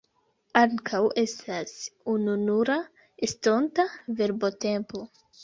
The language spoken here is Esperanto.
Ankaŭ estas ununura estonta verbotempo.